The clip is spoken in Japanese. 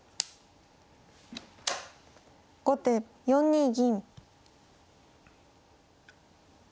後手４二銀。